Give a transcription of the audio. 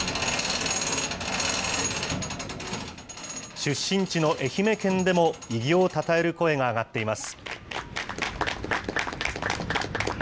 出身地の愛媛県でも、偉業をたたえる声が上がっています。